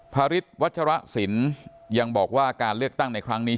พระฤทธิวัชรสินยังบอกว่าการเลือกตั้งในครั้งนี้